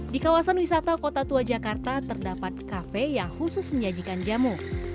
di kawasan wisata kota tua jakarta terdapat kafe yang khusus menyajikan jamu